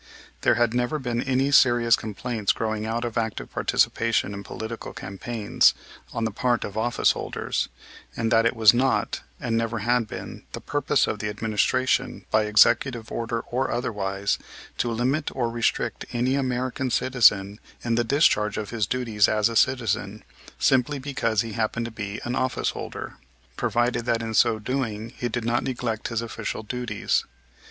There had never been any serious complaints growing out of active participation in political campaigns on the part of office holders, and that it was not, and never had been, the purpose of the administration, by executive order or otherwise, to limit or restrict any American citizen in the discharge of his duties as a citizen, simply because he happened to be an office holder, provided that in so doing he did not neglect his official duties.